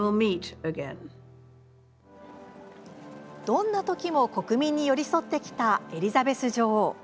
どんなときも国民に寄り添ってきたエリザベス女王。